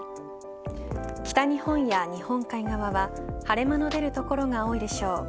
北日本や日本海側は晴れ間の出る所が多いでしょう。